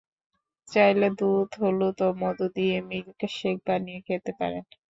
চাইলে দুধ, হলুদ ও মধু দিয়ে মিল্ক শেক বানিয়ে খেতে পারেন।